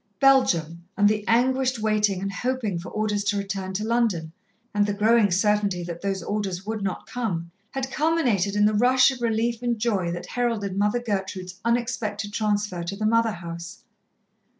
Belgium, and the anguished waiting and hoping for orders to return to London, and the growing certainty that those orders would not come, had culminated in the rush of relief and joy that heralded Mother Gertrude's unexpected transfer to the Mother house.